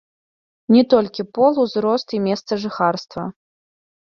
Не толькі пол, узрост і месца жыхарства.